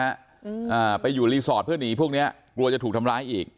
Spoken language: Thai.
อ่าไปอยู่รีสอร์ทเพื่อหนีพวกเนี้ยกลัวจะถูกทำร้ายอีก